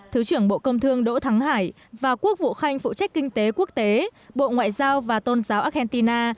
thứ trưởng bộ công thương đỗ thắng hải và quốc vụ khanh phụ trách kinh tế quốc tế bộ ngoại giao và tôn giáo argentina